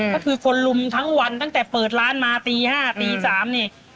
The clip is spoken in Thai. ก็คือคนลุมทั้งวันตั้งแต่เปิดร้านมาตี๕ตี๓นี่